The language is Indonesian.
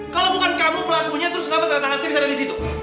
kalau bukan kamu pelakunya terus kamu tanda tangan saya bisa ada di situ